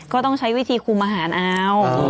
ก็ต้องใช้วิธีคุมอาหารเอา